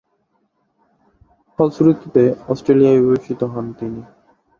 ফলশ্রুতিতে, অস্ট্রেলিয়ায় অভিবাসিত হন তিনি।